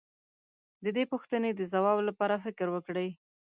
د دې پوښتنې د ځواب لپاره فکر وکړئ.